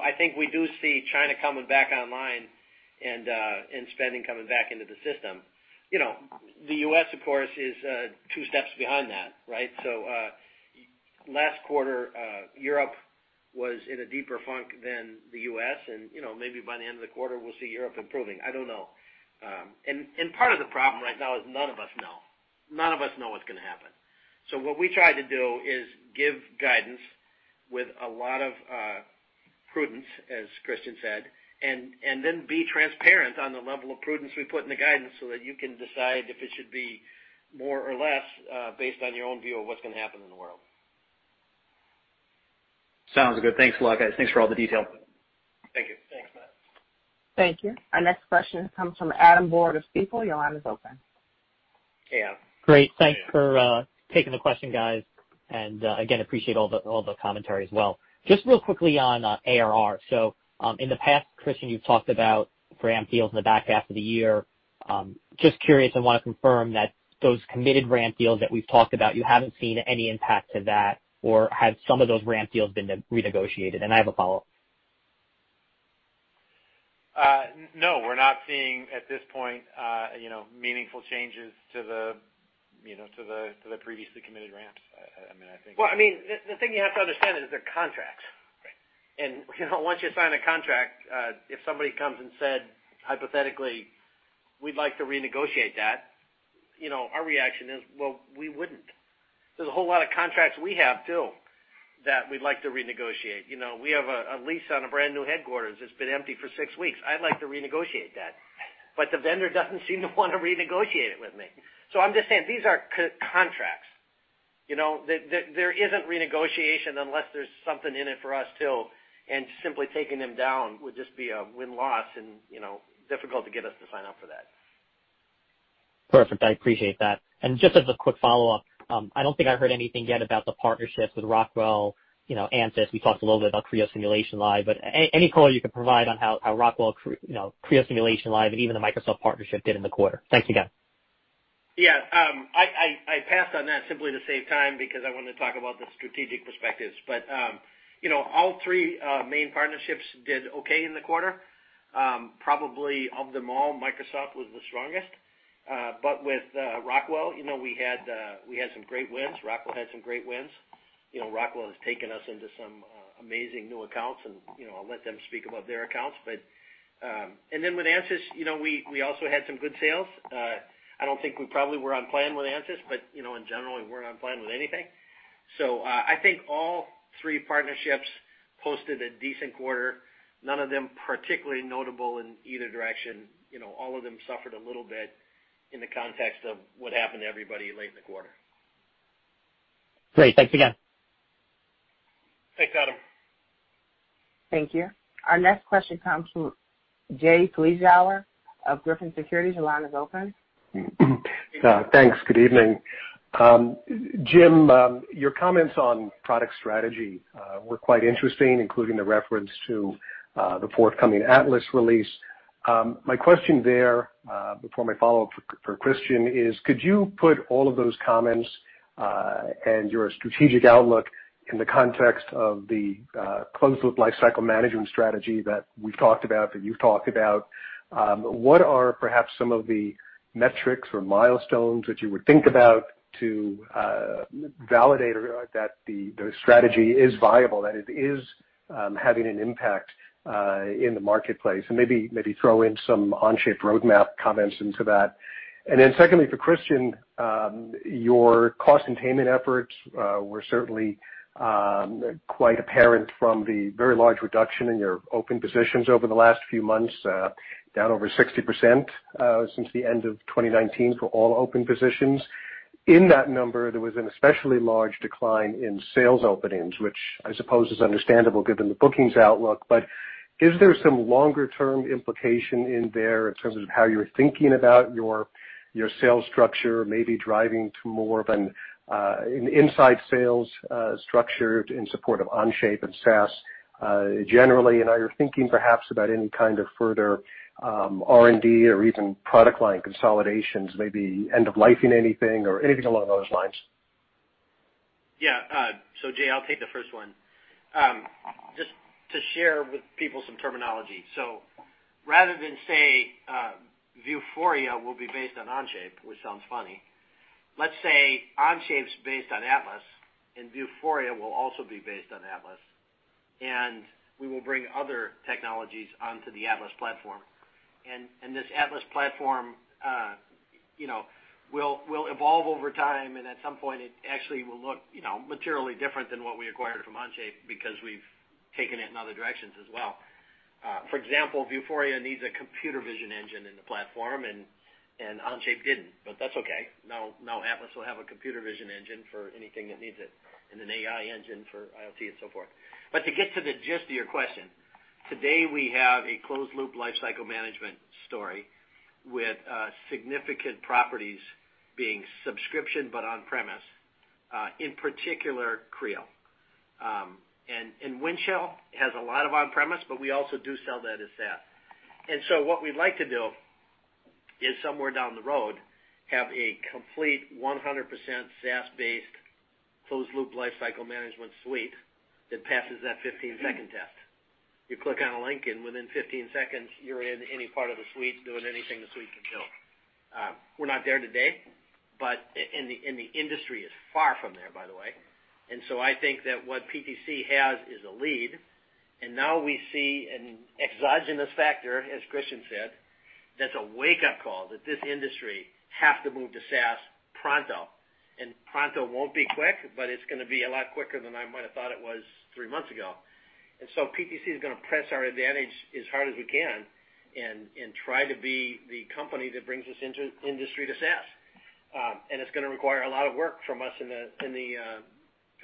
I think we do see China coming back online and spending coming back into the system. The U.S., of course, is two steps behind that, right? Last quarter, Europe was in a deeper funk than the U.S. Maybe by the end of the quarter we'll see Europe improving. I don't know. Part of the problem right now is none of us know. None of us know what's going to happen. What we try to do is give guidance with a lot of prudence, as Kristian said, and then be transparent on the level of prudence we put in the guidance so that you can decide if it should be more or less, based on your own view of what's going to happen in the world. Sounds good. Thanks a lot, guys. Thanks for all the detail. Thank you. Thanks, Matt. Thank you. Our next question comes from Adam Borg of Stifel. Your line is open. Hey, Adam. Great. Thanks for taking the question, guys. Again, appreciate all the commentary as well. Just real quickly on ARR. In the past, Kristian, you've talked about ramp deals in the back half of the year. Just curious and want to confirm that those committed ramp deals that we've talked about, you haven't seen any impact to that, or have some of those ramp deals been renegotiated? I have a follow-up. No, we're not seeing at this point meaningful changes to the previously committed ramps. Well, the thing you have to understand is they're contracts. Right. Once you sign a contract, if somebody comes and said, hypothetically, "We'd like to renegotiate that," our reaction is, well, we wouldn't. There's a whole lot of contracts we have too that we'd like to renegotiate. We have a lease on a brand new headquarters that's been empty for six weeks. I'd like to renegotiate that, but the vendor doesn't seem to want to renegotiate it with me. I'm just saying, these are contracts. There isn't renegotiation unless there's something in it for us, too, and simply taking them down would just be a win-loss and difficult to get us to sign up for that. Perfect. I appreciate that. Just as a quick follow-up, I don't think I heard anything yet about the partnerships with Rockwell, ANSYS. We talked a little bit about Creo Simulation Live, but any color you could provide on how Rockwell, Creo Simulation Live, and even the Microsoft partnership did in the quarter. Thanks again. Yeah. I passed on that simply to save time because I wanted to talk about the strategic perspectives. All three main partnerships did okay in the quarter. Probably of them all, Microsoft was the strongest. With Rockwell, we had some great wins. Rockwell had some great wins. Rockwell has taken us into some amazing new accounts, and I'll let them speak about their accounts, but with ANSYS, we also had some good sales. I don't think we probably were on plan with ANSYS, but in general, we weren't on plan with anything. I think all three partnerships posted a decent quarter, none of them particularly notable in either direction. All of them suffered a little bit in the context of what happened to everybody late in the quarter. Great. Thanks again. Thanks, Adam. Thank you. Our next question comes from Jay Vleeschhouwer of Griffin Securities. Your line is open. Thanks. Good evening. Jim, your comments on product strategy were quite interesting, including the reference to the forthcoming Atlas release. My question there, before my follow-up for Christian is, could you put all of those comments, and your strategic outlook in the context of the closed-loop lifecycle management strategy that we've talked about, that you've talked about? What are perhaps some of the metrics or milestones that you would think about to validate that the strategy is viable, that it is having an impact in the marketplace? Maybe throw in some Onshape roadmap comments into that. Secondly, for Christian, your cost containment efforts were certainly quite apparent from the very large reduction in your open positions over the last few months, down over 60% since the end of 2019 for all open positions. In that number, there was an especially large decline in sales openings, which I suppose is understandable given the bookings outlook. Is there some longer-term implication in there in terms of how you're thinking about your sales structure, maybe driving to more of an inside sales structure in support of Onshape and SaaS generally? Are you thinking perhaps about any kind of further R&D or even product line consolidations, maybe end-of-lifing anything or anything along those lines? Yeah. Jay, I'll take the first one. Just to share with people some terminology. Rather than say Vuforia will be based on Onshape, which sounds funny, let's say Onshape's based on Atlas, and Vuforia will also be based on Atlas. We will bring other technologies onto the Atlas platform. This Atlas platform will evolve over time, and at some point, it actually will look materially different than what we acquired from Onshape because we've taken it in other directions as well. For example, Vuforia needs a computer vision engine in the platform, and Onshape didn't. That's okay. Now Atlas will have a computer vision engine for anything that needs it, and an AI engine for IoT and so forth. To get to the gist of your question, today we have a closed-loop lifecycle management story with significant properties being subscription, but on-premise, in particular, Creo. Windchill has a lot of on-premise, but we also do sell that as SaaS. What we'd like to do is somewhere down the road, have a complete 100% SaaS-based closed-loop lifecycle management suite that passes that 15-second test. You click on a link, and within 15 seconds, you're in any part of the suite doing anything the suite can do. We're not there today. The industry is far from there, by the way. I think that what PTC has is a lead, and now we see an exogenous factor, as Kristian said, that's a wake-up call that this industry has to move to SaaS pronto. Pronto won't be quick, but it's going to be a lot quicker than I might have thought it was three months ago. PTC is going to press our advantage as hard as we can and try to be the company that brings this industry to SaaS. It's going to require a lot of work from us in the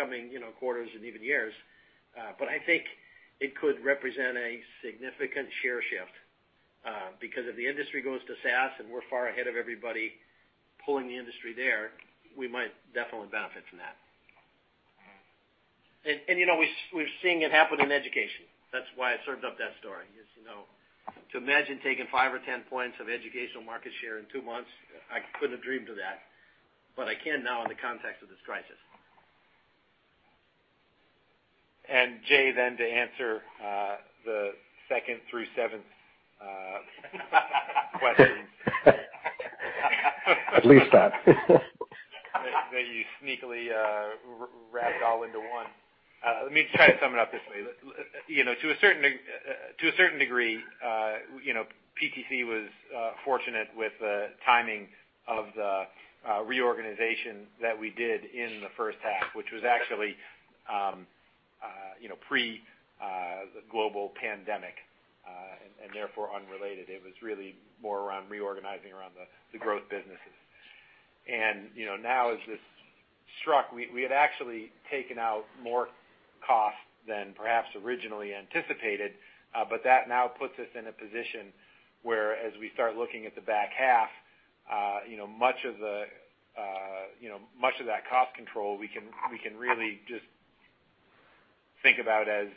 coming quarters and even years. I think it could represent a significant share shift. If the industry goes to SaaS and we're far ahead of everybody pulling the industry there, we might definitely benefit from that. We're seeing it happen in education. That's why I served up that story, just to know. To imagine taking five or 10 points of educational market share in two months, I couldn't have dreamed of that. I can now in the context of this crisis. Jay, then to answer the second through seventh questions. At least that. That you sneakily wrapped all into one. Let me try to sum it up this way. To a certain degree, PTC was fortunate with the timing of the reorganization that we did in the first half, which was actually pre the global pandemic, and therefore unrelated. It was really more around reorganizing around the growth businesses. Now as this struck, we had actually taken out more cost than perhaps originally anticipated. That now puts us in a position where as we start looking at the back half, much of that cost control, we can really just think about as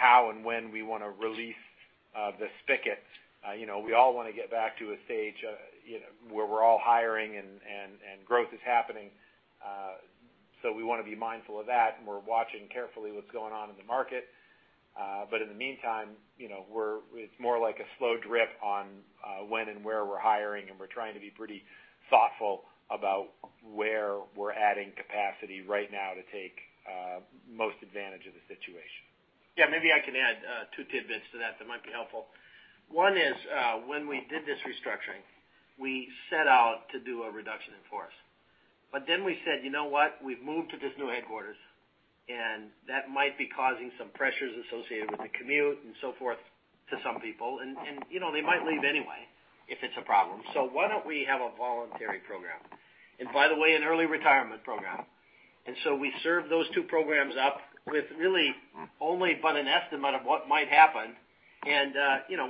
how and when we want to release the spigot. We all want to get back to a stage where we're all hiring and growth is happening. We want to be mindful of that, and we're watching carefully what's going on in the market. In the meantime, it's more like a slow drip on when and where we're hiring, and we're trying to be pretty thoughtful about where we're adding capacity right now to take most advantage of the situation. Yeah. Maybe I can add two tidbits to that that might be helpful. One is, when we did this restructuring, we set out to do a reduction in force. We said, "You know what? We've moved to this new headquarters, and that might be causing some pressures associated with the commute and so forth to some people. They might leave anyway if it's a problem. Why don't we have a voluntary program? By the way, an early retirement program." We served those two programs up with really only but an estimate of what might happen, and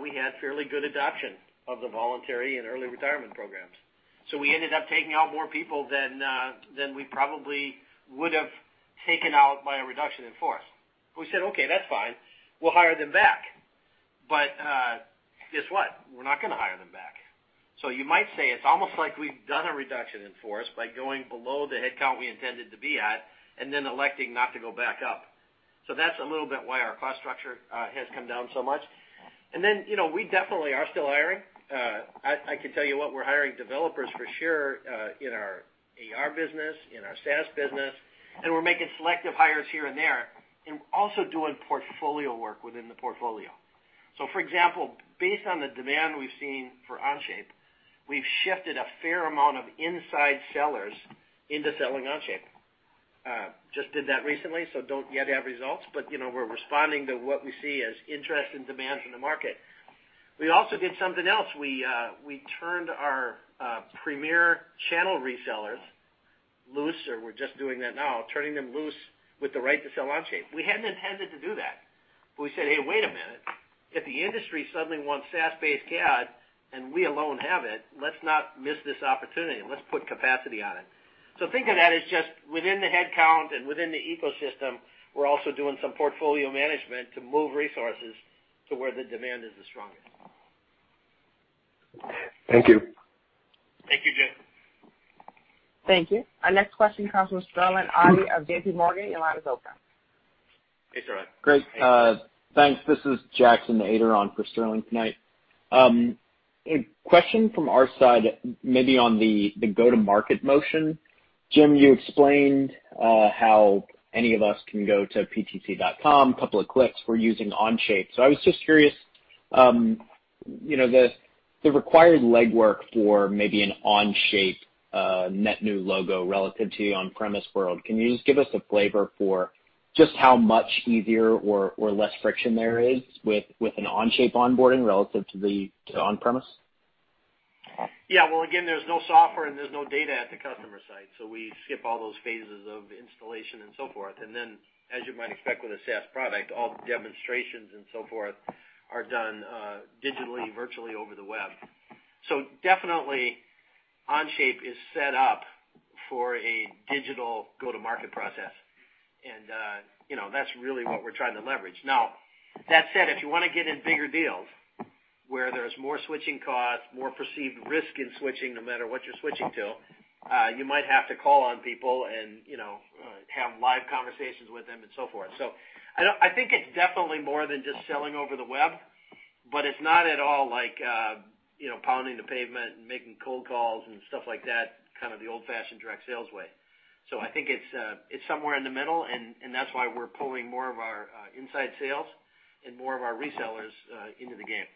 we had fairly good adoption of the voluntary and early retirement programs. We ended up taking out more people than we probably would have taken out by a reduction in force. We said, "Okay, that's fine. We'll hire them back." Guess what? We're not going to hire them back. You might say it's almost like we've done a reduction in force by going below the headcount we intended to be at and then electing not to go back up. That's a little bit why our cost structure has come down so much. We definitely are still hiring. I can tell you what, we're hiring developers for sure, in our AR business, in our SaaS business, and we're making selective hires here and there, and also doing portfolio work within the portfolio. For example, based on the demand we've seen for Onshape, we've shifted a fair amount of inside sellers into selling Onshape. Just did that recently, so don't yet have results. We're responding to what we see as interest and demand from the market. We also did something else. We turned our premier channel resellers loose, or we're just doing that now, turning them loose with the right to sell Onshape. We hadn't intended to do that. We said, "Hey, wait a minute. If the industry suddenly wants SaaS-based CAD and we alone have it, let's not miss this opportunity, and let's put capacity on it." Think of that as just within the headcount and within the ecosystem, we're also doing some portfolio management to move resources to where the demand is the strongest. Thank you. Thank you, Jim. Thank you. Our next question comes from Sterling Auty of JPMorgan. Your line is open. Hey, Sterling. Great. Thanks. This is Jackson Ader on for Sterling tonight. A question from our side, maybe on the go-to-market motion. Jim, you explained how any of us can go to ptc.com, couple of clicks, we're using Onshape. I was just curious, the required legwork for maybe an Onshape net new logo relative to your on-premise world, can you just give us a flavor for just how much easier or less friction there is with an Onshape onboarding relative to on-premise? Yeah. Well, again, there's no software and there's no data at the customer site, so we skip all those phases of installation and so forth. Then, as you might expect with a SaaS product, all the demonstrations and so forth are done digitally, virtually over the web. Definitely Onshape is set up for a digital go-to-market process. That's really what we're trying to leverage. Now, that said, if you want to get in bigger deals where there's more switching costs, more perceived risk in switching, no matter what you're switching to, you might have to call on people and have live conversations with them and so forth. I think it's definitely more than just selling over the web, but it's not at all like pounding the pavement and making cold calls and stuff like that, kind of the old-fashioned direct sales way. I think it's somewhere in the middle, and that's why we're pulling more of our inside sales and more of our resellers into the game.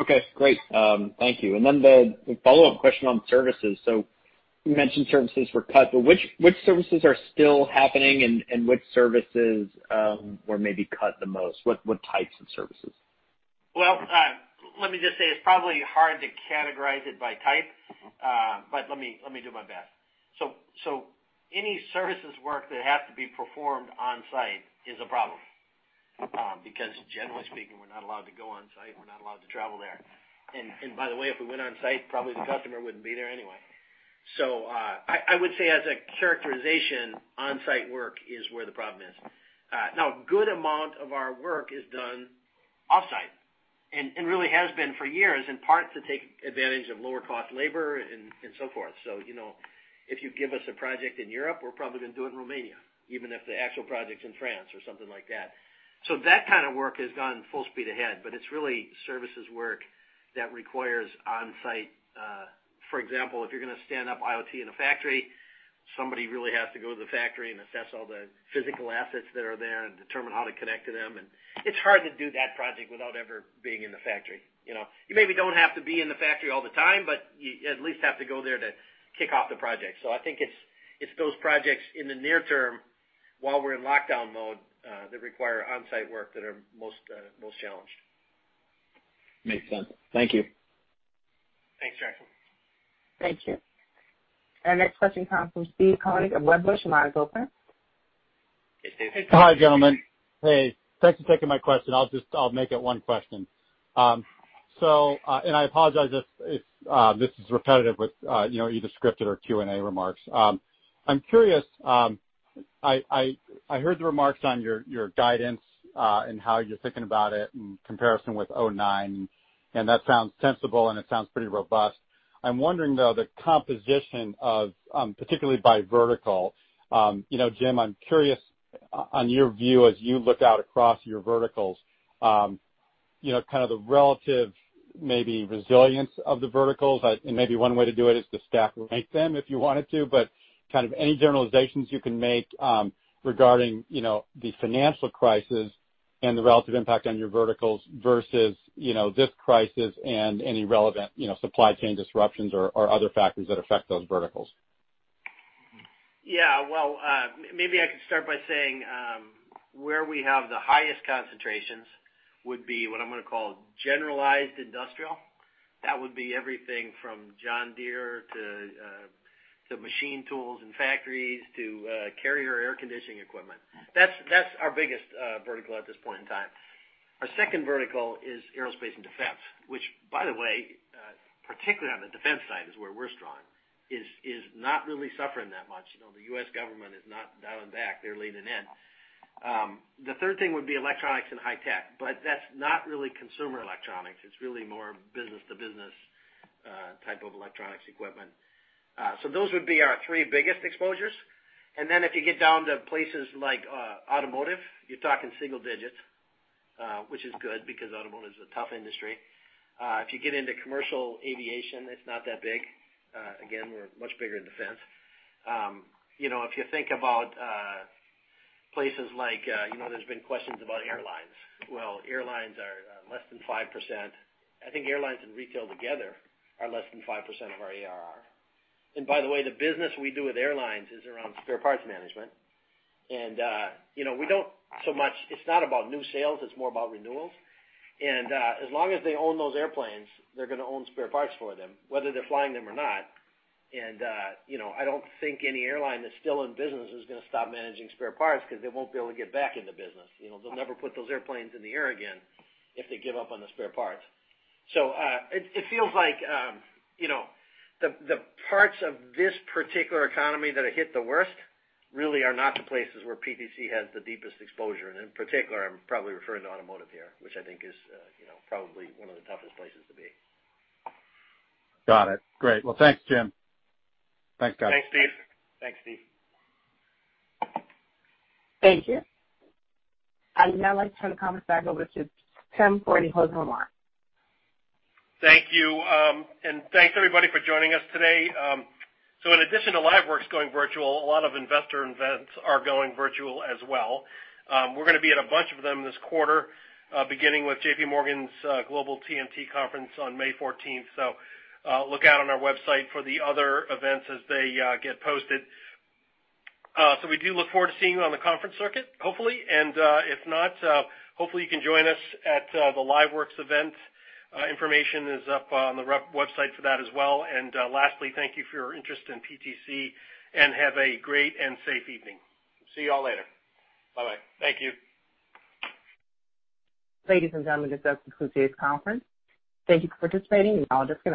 Okay, great. Thank you. The follow-up question on services. You mentioned services were cut, which services are still happening and which services were maybe cut the most? What types of services? Well, let me just say it's probably hard to categorize it by type. Let me do my best. Any services work that have to be performed on-site is a problem, because generally speaking, we're not allowed to go on-site, we're not allowed to travel there. By the way, if we went on-site, probably the customer wouldn't be there anyway. I would say as a characterization, on-site work is where the problem is. Now, a good amount of our work is done off-site, and really has been for years, in part to take advantage of lower cost labor and so forth. If you give us a project in Europe, we're probably going to do it in Romania, even if the actual project's in France or something like that. That kind of work has gone full speed ahead, but it's really services work that requires on-site. For example, if you're going to stand up IoT in a factory, somebody really has to go to the factory and assess all the physical assets that are there and determine how to connect to them. It's hard to do that project without ever being in the factory. You maybe don't have to be in the factory all the time, but you at least have to go there to kick off the project. I think it's those projects in the near term while we're in lockdown mode that require on-site work that are most challenged. Makes sense. Thank you. Thanks, Jackson. Thank you. Our next question comes from Steve Koenig of Wedbush. Your line is open. Hey, Steve. Hi, gentlemen. Hey, thanks for taking my question. I'll make it one question. I apologize if this is repetitive with either scripted or Q&A remarks. I'm curious, I heard the remarks on your guidance, and how you're thinking about it in comparison with 2009, and that sounds sensible and it sounds pretty robust. I'm wondering, though, the composition of, particularly by vertical. Jim, I'm curious on your view as you look out across your verticals, kind of the relative maybe resilience of the verticals. Maybe one way to do it is to stack rank them if you wanted to, but kind of any generalizations you can make regarding the financial crisis and the relative impact on your verticals versus this crisis and any relevant supply chain disruptions or other factors that affect those verticals. Yeah. Well, maybe I could start by saying where we have the highest concentrations would be what I'm going to call generalized industrial. That would be everything from John Deere to machine tools and factories to carrier air conditioning equipment. That's our biggest vertical at this point in time. Our second vertical is aerospace and defense, which by the way, particularly on the defense side is where we're strong, is not really suffering that much. The U.S. government is not dialing back. They're leaning in. The third thing would be electronics and high tech, but that's not really consumer electronics. It's really more business-to-business type of electronics equipment. Those would be our three biggest exposures. Then if you get down to places like automotive, you're talking single digits, which is good because automotive is a tough industry. If you get into commercial aviation, it's not that big. We're much bigger in defense. If you think about places like there's been questions about airlines. Well, airlines are less than 5%. I think airlines and retail together are less than 5% of our ARR. By the way, the business we do with airlines is around spare parts management. It's not about new sales, it's more about renewals. As long as they own those airplanes, they're going to own spare parts for them, whether they're flying them or not. I don't think any airline that's still in business is going to stop managing spare parts because they won't be able to get back in the business. They'll never put those airplanes in the air again if they give up on the spare parts. It feels like the parts of this particular economy that are hit the worst really are not the places where PTC has the deepest exposure, and in particular, I'm probably referring to automotive here, which I think is probably one of the toughest places to be. Got it. Great. Well, thanks, Jim. Thanks, guys. Thanks, Steve. Thank you. I would now like to turn the conference back over to Tim for any closing remarks. Thank you. Thanks everybody for joining us today. In addition to LiveWorx going virtual, a lot of investor events are going virtual as well. We're going to be at a bunch of them this quarter, beginning with JPMorgan Global TMT Conference on May 14th. Look out on our website for the other events as they get posted. We do look forward to seeing you on the conference circuit hopefully. If not, hopefully you can join us at the LiveWorx event. Information is up on the website for that as well. Lastly, thank you for your interest in PTC, and have a great and safe evening. See you all later. Bye-bye. Thank you. Ladies and gentlemen, this does conclude today's conference. Thank you for participating, and you may all disconnect.